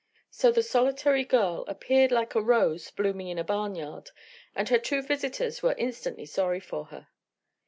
So the solitary girl appeared like a rose blooming in a barnyard and her two visitors were instantly sorry for her.